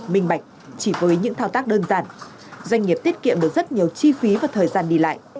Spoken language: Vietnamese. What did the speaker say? minh bạch chỉ với những thao tác đơn giản doanh nghiệp tiết kiệm được rất nhiều chi phí và thời gian đi lại